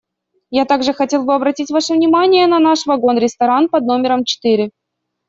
Я также хотел бы обратить ваше внимание на наш вагон-ресторан под номером четыре.